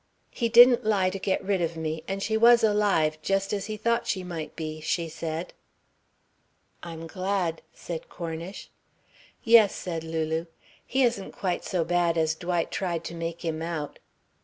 "He didn't lie to get rid of me and she was alive, just as he thought she might be," she said. "I'm glad," said Cornish. "Yes," said Lulu. "He isn't quite so bad as Dwight tried to make him out."